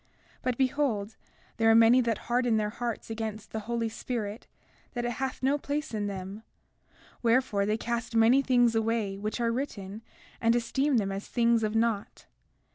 33:2 But behold, there are many that harden their hearts against the Holy Spirit, that it hath no place in them; wherefore, they cast many things away which are written and esteem them as things of naught.